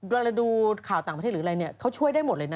เวลาเราดูข่าวต่างประเทศหรืออะไรเนี่ยเขาช่วยได้หมดเลยนะ